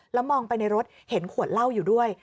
แล้วมองไปในรถเห็นขวดเหล้าอยู่ด้วย